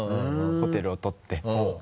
ホテルを取って。